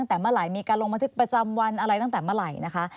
แต่เมื่อไหร่มีการลงบันทึกประจำวันอะไรตั้งแต่เมื่อไหร่นะคะ